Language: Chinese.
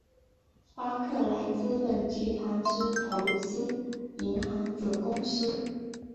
巴克莱资本集团之投资银行子公司。